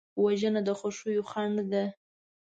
وژنه د خوښیو خنډ ده